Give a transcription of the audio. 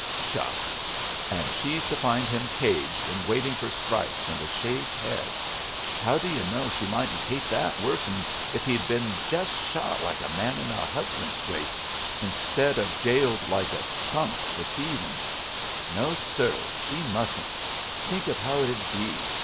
"Shucks! And she's to find him caged, and waiting for stripes and a shaved head? How d' yu' know she mightn't hate that worse 'n if he'd been just shot like a man in a husband scrape, instead of jailed like a skunk for thieving? No, sir, she mustn't. Think of how it'll be.